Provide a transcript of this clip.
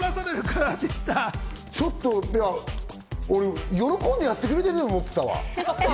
俺、喜んでやってくれてると思ってたわ。